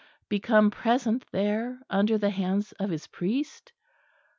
become present there under the hands of His priest?